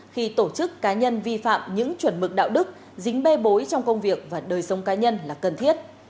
khi tổ chức cá nhân vi phạm những chuẩn mực đạo đức dính bê bối trong công việc và đời sống cá nhân là cần thiết